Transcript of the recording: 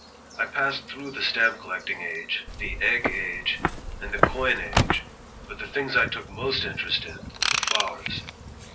I passed through the stamp collecting age, the egg age, and the coin age, but the things I took most interest in were the flowers.